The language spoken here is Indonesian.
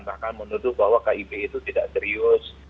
seakan akan menuduh bahwa kib itu tidak serius